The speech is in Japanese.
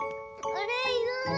あれいない。